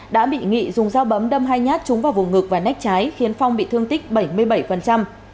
đã bị nghị dùng dao bấm đâm hai nhát trúng vào vùng ngực và nách trái khiến phong bị thương tích bảy mươi bảy